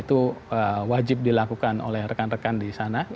itu wajib dilakukan oleh rekan rekan di sana